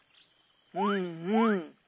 うんうん。